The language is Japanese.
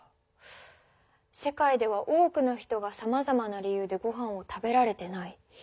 世界では多くの人がさまざまな理由でごはんを食べられてない。